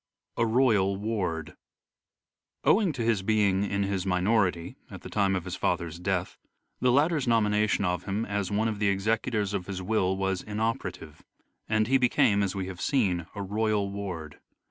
A ROYAL WARD Owing to his being in his minority at the time of his father's death, the latter's nomination of him as one of the executors of his will was inoperative, and he became, as we have seen, a royal ward.